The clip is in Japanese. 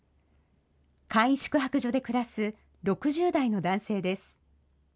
簡易宿泊所で暮らす６０代の男性です。